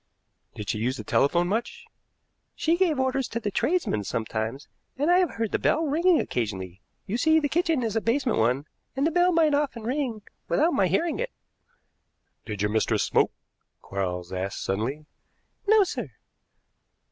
"Did she use the telephone much?" "She gave orders to the tradesmen sometimes, and I have heard the bell ringing occasionally. You see, the kitchen is a basement one, and the bell might often ring without my hearing it." "Did your mistress smoke?" Quarles asked suddenly. "No, sir."